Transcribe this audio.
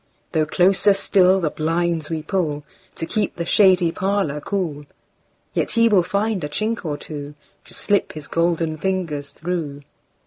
Though closer still the blinds we pullTo keep the shady parlour cool, Yet he will find a chink or twoTo slip his golden fingers through.